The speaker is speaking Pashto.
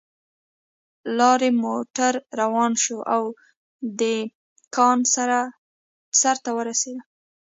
لارۍ موټر روان شو او د کان سر ته ورسېدل